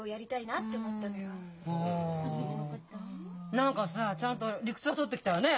何かさちゃんと理屈は通ってきたわねえ。